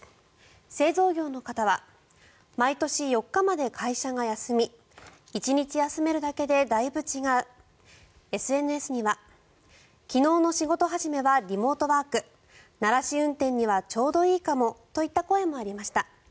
製造業の方は毎年４日まで会社が休み１日休めるだけでだいぶ違うＳＮＳには昨日の仕事始めはリモートワーク慣らし運転にはちょうどいいかもといった声もありました。